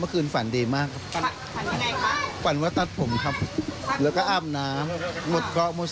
มะกืนฝันดีมากถ้าันวาตัดผมครับแล้วก็อาบน้ำ